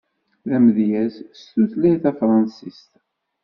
D amedyaz s tutlayt tafransist.